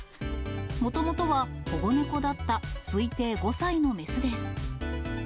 もともとは保護猫だった推定５歳の雌です。